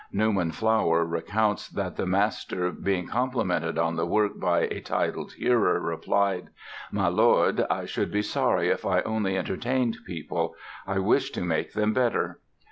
Newman Flower recounts that the master, being complimented on the work by a titled hearer, replied: "My lord, I should be sorry if I only entertained people; I wished to make them better."